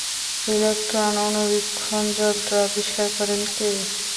Electron অণুবীক্ষণযন্ত্র আবিষ্কার করেন কে?